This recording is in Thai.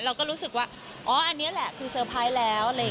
เราก็รู้สึกว่าอ๋ออันนี้แหละคือเซอร์ไพรส์แล้ว